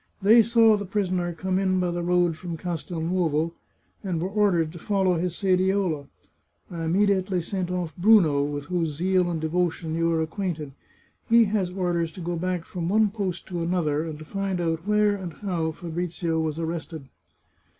They saw the prisoner come in by the road from Castelnovo, and were ordered to follow his sediola. I immediately sent oflf Bruno, with whose zeal and devotion you are acquainted. He has orders to go back from one post to another, and to find out where and how Fabrizio was arrested."